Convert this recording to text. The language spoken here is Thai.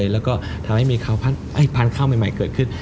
แล้วก็ทำให้มีข้าวพันธุ์พันธุ์ข้าวใหม่เกิดขึ้น